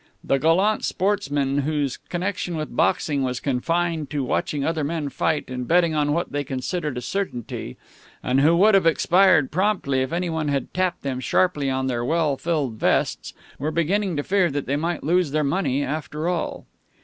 The gallant sportsmen whose connection with boxing was confined to watching other men fight and betting on what they considered a certainty, and who would have expired promptly if anyone had tapped them sharply on their well filled vests, were beginning to fear that they might lose their money after all.